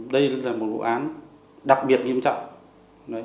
đây là một vụ án đặc biệt nghiêm trọng